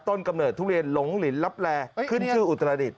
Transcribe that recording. กำเนิดทุเรียนหลงลินลับแลขึ้นชื่ออุตรดิษฐ